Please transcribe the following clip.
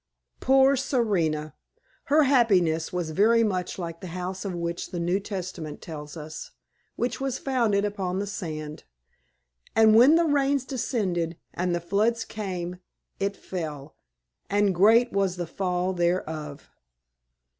Poor Serena! her happiness was very much like the house of which the New Testament tells us, which was founded upon the sand. And when "the rains descended and the floods came, it fell, and great was the fall thereof."